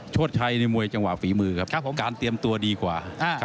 ชดชัยในมวยจังหวะฝีมือครับการเตรียมตัวดีกว่า